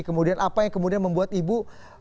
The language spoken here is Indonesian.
kemudian apa yang kemudian membuat ibu